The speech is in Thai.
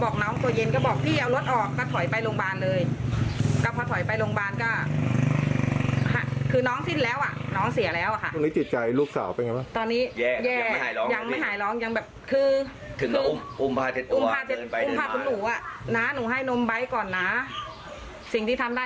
เขาประคบประหวมมา๙เดือนทุกคนประคบประหวมหมด